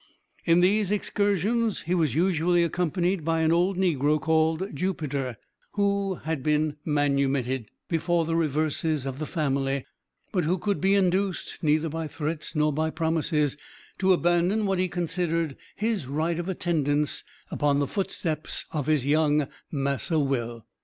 In these excursions he was usually accompanied by an old negro, called Jupiter, who had been manumitted before the reverses of the family, but who could be induced, neither by threats nor by promises, to abandon what he considered his right of attendance upon the footsteps of his young "Massa Will."